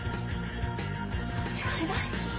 間違いない。